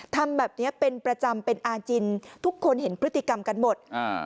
ทำแบบนี้เป็นประจำเป็นอาจินทุกคนเห็นพฤติกรรมกันหมดอ่า